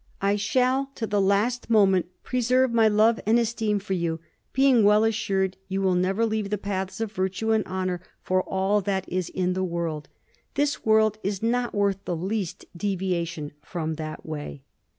I shall to the last moment preserve my love and esteem for you, being well assured you will never leave the paths of virtue and honor for all that is in the world. This world is not worth the least deviation from that way."